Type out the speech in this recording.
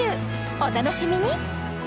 お楽しみに！